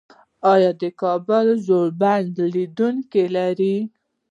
آیا د کابل ژوبڼ لیدونکي لري؟